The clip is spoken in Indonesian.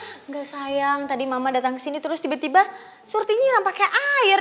enggak sayang tadi mama dateng kesini terus tiba tiba surti nyiram pake air